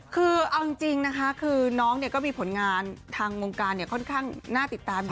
คือเอาจริงนะคะคือน้องก็มีผลงานทางวงการค่อนข้างน่าติดตามอยู่